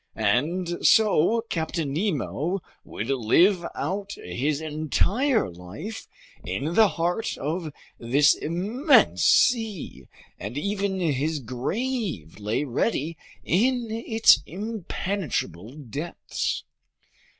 And so Captain Nemo would live out his life entirely in the heart of this immense sea, and even his grave lay ready in its impenetrable depths.